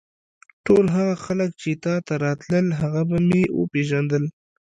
ټول هغه خلک چې تا ته راتلل هغه به مې وپېژندل.